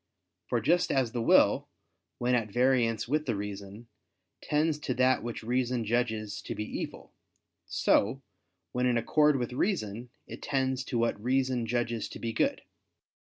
For just as the will, when at variance with the reason, tends to that which reason judges to be evil; so, when in accord with reason, it tends to what reason judges to be good.